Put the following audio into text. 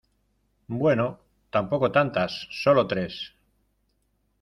bueno, tampoco tantas , solo tres.